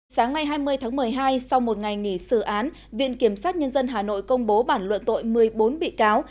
sáng ngày hai mươi tháng một mươi hai sau một ngày nghỉ xử án viện kiểm sát nhân dân hà nội công bố bản luận tội một mươi bốn bị cáo